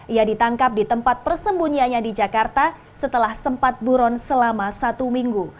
ia ditangkap di tempat persembunyiannya di jakarta setelah sempat buron selama satu minggu